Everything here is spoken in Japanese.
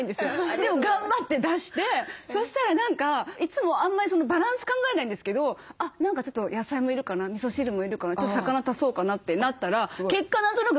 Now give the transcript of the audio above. でも頑張って出してそしたら何かいつもあんまりバランス考えないんですけどあっ何かちょっと野菜もいるかなみそ汁もいるかなちょっと魚足そうかなってなったら結果何となくバランスよくなったんですよね。